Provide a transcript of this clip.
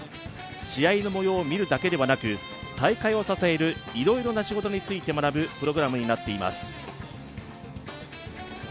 試合の模様を見るだけではなく大会を支えるいろいろな仕事について学ぶプログラムになっています。